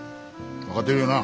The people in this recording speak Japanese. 分かってるよな。